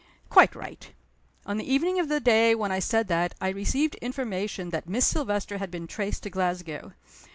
"Quite right! On the evening of the day when I said that I received information that Miss Silvester had been traced to Glasgow.